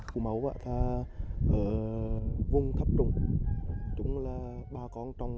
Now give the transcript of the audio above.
cú máu ở vùng thấp trùng chúng là ba con trồng